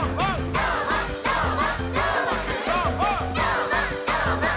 どーもどーも。